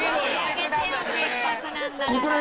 せっかくなんだから。